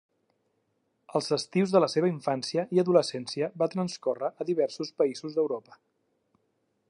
Els estius de la seva infància i adolescència van transcórrer en diversos països d'Europa.